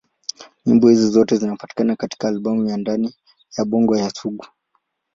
Nyimbo hizo zote zinapatikana katika albamu ya Ndani ya Bongo ya Sugu.